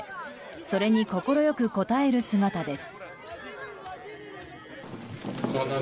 それに快く応える姿です。